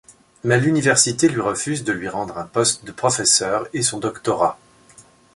Mais l'université lui refuse de lui rendre un poste de professeur et son doctorat.